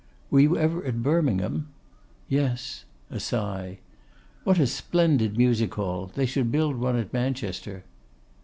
'Were you ever at Birmingham?' 'Yes:' a sigh. 'What a splendid music hall! They should build one at Manchester.